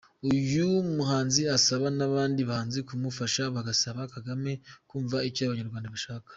Uyu muhanzi asaba n’abandi bahanzi kumufsha bagasaba Kagame kumva icyo Abanyarwanda bashaka.